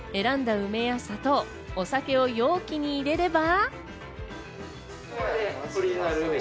あとは選んだ梅や砂糖、お酒を容器に入れれば。